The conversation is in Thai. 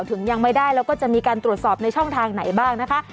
ถึงยังไม่ได้แล้วก็จะมีการตรวจสอบในช่องทางไหนบ้างนะคะ